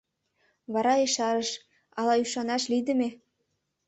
Вара ешарыш: — Ала ӱшанаш лийдыме?